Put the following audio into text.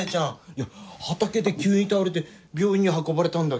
いや畑で急に倒れて病院に運ばれたんだけど。